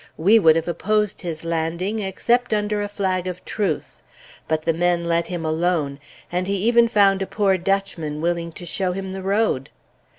We would have opposed his landing except under a flag of truce; but the men let him alone, and he even found a poor Dutchman willing to show him the road!